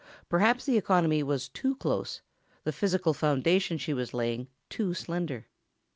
Perhaps the economy was too close, the physical foundation she was laying too slender.